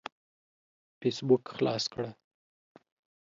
فيسبوک خلاص کړه.